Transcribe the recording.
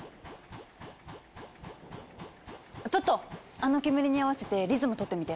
あの煙に合わせてリズムとってみて。